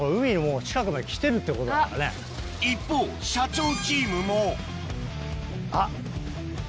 一方社長チームもあっ。